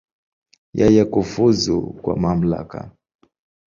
Yeye kufuzu kwa mamlaka.